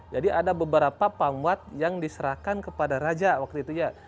jadi ada beberapa pamwat yang diserahkan kepada raja waktu itu ya